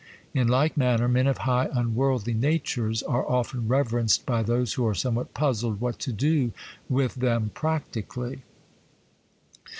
In like manner, men of high, unworldly natures are often reverenced by those who are somewhat puzzled what to do with them practically.